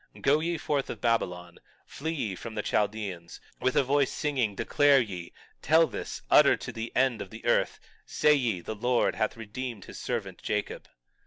20:20 Go ye forth of Babylon, flee ye from the Chaldeans, with a voice of singing declare ye, tell this, utter to the end of the earth; say ye: The Lord hath redeemed his servant Jacob.